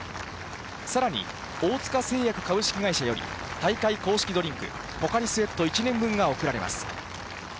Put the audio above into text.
さらに、大塚製薬株式会社より、大会公式ドリンク、ポカリスエット１年分が贈られます。